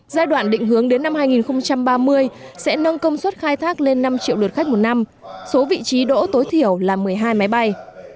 giai đoạn định hướng đến năm hai nghìn ba mươi sẽ nâng công suất khai thác lên năm triệu lượt khách một năm số vị trí đỗ tối thiểu là một mươi hai máy bay